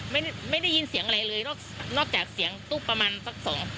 ไม่ไม่ได้ยินเสียงอะไรเลยนอกนอกจากเสียงตุ๊บประมาณสักสอง